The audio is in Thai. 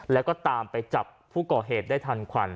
แล้วก็ตามไปจับผู้ก่อเหตุได้ทันควัน